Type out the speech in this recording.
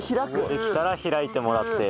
できたら開いてもらって。